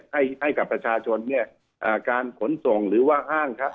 ให้ให้กับประชาชนเนี่ยการขนส่งหรือว่ะห้าง